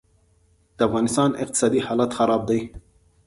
دافغانستان اقتصادي حالات خراب دي